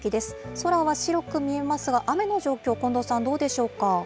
空は白く見えますが、雨の状況、近藤さん、どうでしょうか。